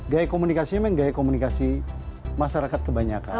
gaya komunikasinya memang gaya komunikasi masyarakat kebanyakan